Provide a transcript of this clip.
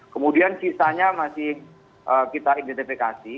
kemudian sisanya masih kita identifikasi